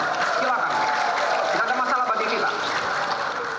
tidak ada masalah bagi kita